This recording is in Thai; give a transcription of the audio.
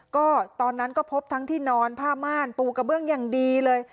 ก็ตอนนั้นก็พบทั้งที่นอนผ้าม่านปูกระเบื้องอย่างดีเลย